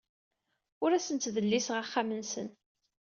Ur asen-ttdelliseɣ axxam-nsen.